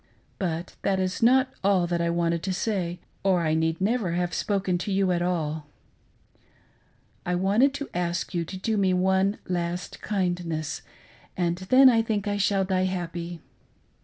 But that is not all I wanted to say, or I need never have spoken to you at all. I wanted to ask you to do me one last kindness, and then I think I shall die happy.